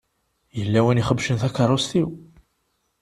Yella win i ixebcen takeṛṛust-iw.